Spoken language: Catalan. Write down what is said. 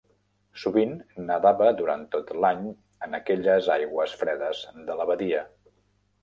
Sovint nedava durant tot l'any en aquelles aigües fredes de la badia.